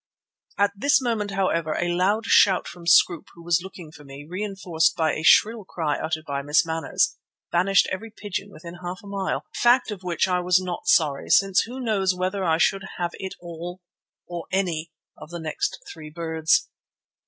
At this moment, however, a loud shout from Scroope, who was looking for me, reinforced by a shrill cry uttered by Miss Manners, banished every pigeon within half a mile, a fact of which I was not sorry, since who knows whether I should have hit all, or any, of the next three birds?